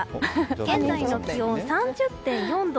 現在の気温３０．４度。